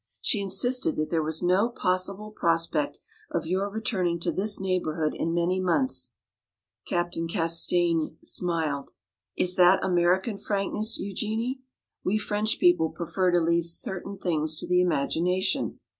"She insisted that there was no possible prospect of your returning to this neighborhood in many months." Captain Castaigne smiled. "Is that American frankness, Eugenie? We French people prefer to leave certain things to the imagination.